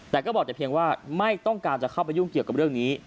แต่ก็บอกแต่เพียงว่าไม่ต้องการจะเข้าไปยุ่งเกี่ยวกับเรื่องนี้